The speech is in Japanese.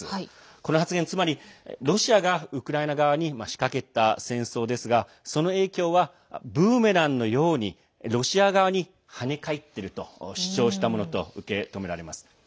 この発言、つまりロシアがウクライナ側に仕掛けた戦争ですがその影響はブーメランのようにロシア側に跳ね返っていると主張したものと受け止められます。